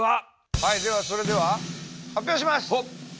はいではそれでは発表します！